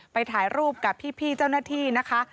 ไปถ่ายรูปกับพี่เจ้าหน้าที่นะคะ